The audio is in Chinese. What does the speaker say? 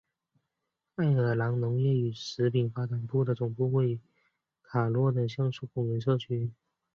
爱尔兰农业与食品发展部的总部位于卡洛的橡树公园社区。